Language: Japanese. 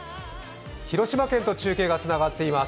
広島県と中継がつながっています。